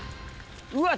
うわ！